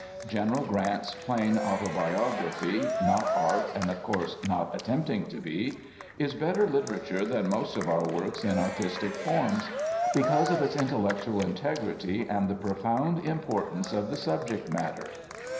General Grant's plain autobiography, not art and of course not attempting to be, is better literature than most of our books in artistic forms, because of its intellectual integrity and the profound importance of the subject matter.